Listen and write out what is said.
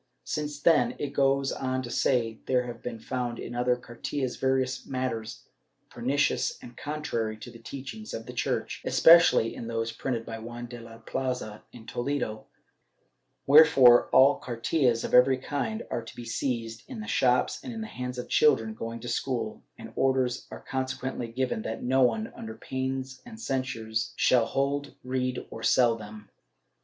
Since then, it goes on to say, there have been found in other cartillas various matters pernicious and contrary to the teaching of the Church, especially in those printed by Juan de la Plaza in Toledo, where fore all cartillas of every kind are to be seized, in the shops and in the hands of children going to school, and orders are conse quently given that no one, under pains and censures, shall hold, read, or sell them.